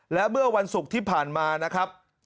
และเมื่อวันศุกร์ที่ผ่านมานะครับ